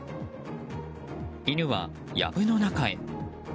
犬は、やぶの中へ。